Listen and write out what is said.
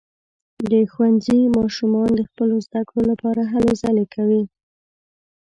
د ښوونځي ماشومانو د خپلو زده کړو لپاره هلې ځلې کولې.